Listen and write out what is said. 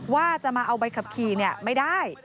ว่าจะมาเอาใบขับขี่ไม่ได้